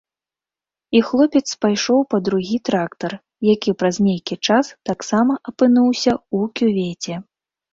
І хлопец пайшоў па другі трактар, які праз нейкі час таксама апынуўся ў кювеце.